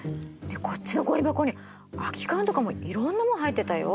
こっちのごみ箱に空き缶とかもいろんなもの入ってたよ。